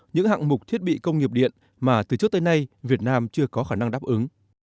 những hạng mục thiết bị công nghiệp điện mà từ trước tới nay việt nam chưa có khả năng đáp ứng